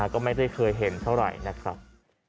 ก็ไม่ได้เคยเห็นเท่าไหร่นะครับ